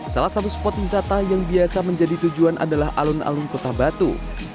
salah satu spot wisata yang biasa menjadi tujuan adalah alun alun kota batu